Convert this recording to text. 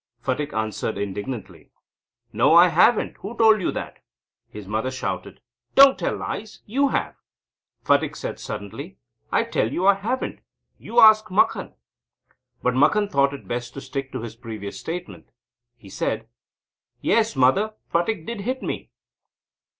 Phatik answered indignantly: "No, I haven't; who told you that?" His mother shouted: "Don't tell lies! You have." Phatik said suddenly: "I tell you, I haven't. You ask Makhan!" But Makhan thought it best to stick to his previous statement. He said: "Yes, mother. Phatik did hit me."